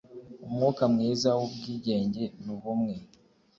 umwuka mwiza wubwigenge nubumwe